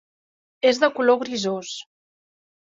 És de color grisós.